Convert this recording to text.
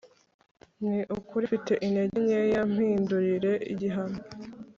ni ukuri mfite intege nkeya, mpindurire igihano